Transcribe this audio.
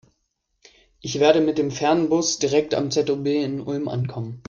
Ich werde mit dem Fernbus direkt am ZOB in Ulm ankommen.